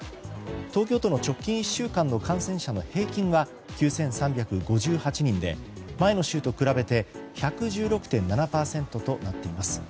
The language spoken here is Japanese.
東京都の直近１週間の感染者の平均は９３５８人で前の週と比べて１１６．７％となっています。